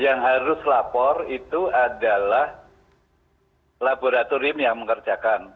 yang harus lapor itu adalah laboratorium yang mengerjakan